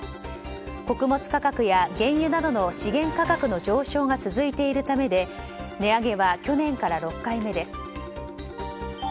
穀物価格や原油などの資源価格の上昇が続いているためで値上げは去年から６回目です。